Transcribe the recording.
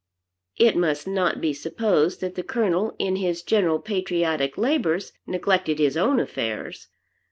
It must not be supposed that the Colonel in his general patriotic labors neglected his own affairs.